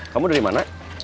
kamu dari mana